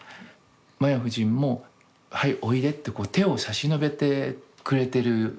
摩耶夫人も「はいおいで」ってこう手を差し伸べてくれてる